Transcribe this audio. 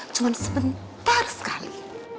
cuma sebentar sekali